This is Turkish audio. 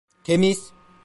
Temiz!